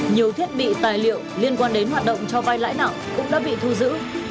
nhiều thiết bị tài liệu liên quan đến hoạt động cho vai lãi nặng cũng đã bị thu giữ